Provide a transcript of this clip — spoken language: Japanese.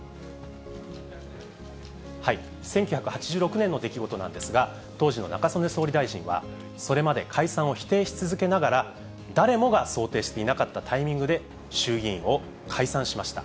１９８６年の出来事なんですが、当時の中曽根総理大臣は、それまで解散を否定し続けながら、誰もが想定していなかったタイミングで衆議院を解散しました。